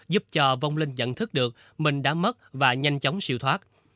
giúp cho vông linh nhận thức được mình đã mất và nhanh chóng siêu thoát